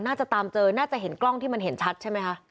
น่าจะตามเจอน่าจะเห็นกล้องที่มันเห็นชัดใช่ไหมคะ